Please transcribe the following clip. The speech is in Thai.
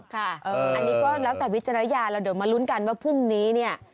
ค่ะอันนี้ก็แล้วแต่วิจารณญาณแล้วเดี๋ยวมาลุ้นกันว่าพรุ่งนี้เนี่ย